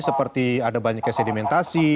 seperti ada banyaknya sedimentasi